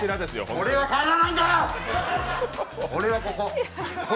俺はここ。